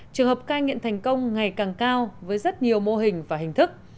trường hợp cai nghiện thành công ngày càng cao với rất nhiều mô hình và hình thức